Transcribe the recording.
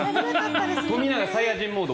富永サイヤ人モード。